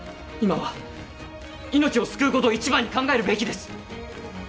今は命を救うことを一番に考えるべきです。